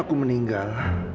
aku akan menangis